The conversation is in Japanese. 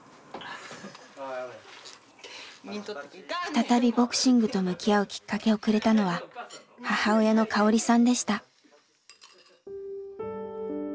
再びボクシングと向き合うきっかけをくれたのは母親の香穂理さんでした。